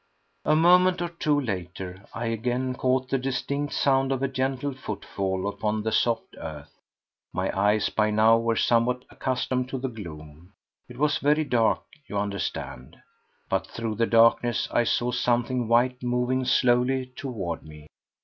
A moment or two later I again caught the distinct sound of a gentle footfall upon the soft earth. My eyes by now were somewhat accustomed to the gloom. It was very dark, you understand; but through the darkness I saw something white moving slowly toward me.